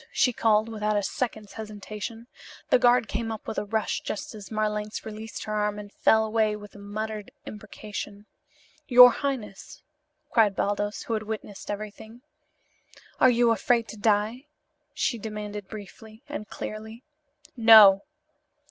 she called, without a second's hesitation. The guard came up with a rush just as Marlanx released her arm and fell away with a muttered imprecation. "Your highness!" cried Baldos, who had witnessed everything. "Are you afraid to die?" she demanded briefly; and clearly. "No!"